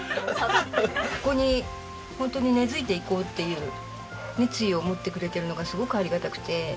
ここにホントに根付いていこうっていう熱意を持ってくれているのがすごくありがたくて。